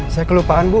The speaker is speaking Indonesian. saya kelupaan bu